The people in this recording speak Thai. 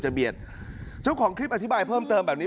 เบียดเจ้าของคลิปอธิบายเพิ่มเติมแบบนี้